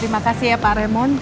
terima kasih ya pak remon